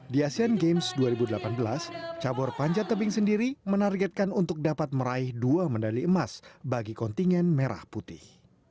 di asean games dua ribu delapan belas cabur panjat tebing sendiri menargetkan untuk dapat meraih dua medali emas bagi kontingen merah putih